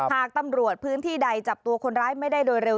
หากตำรวจพื้นที่ใดจับตัวคนร้ายไม่ได้โดยเร็ว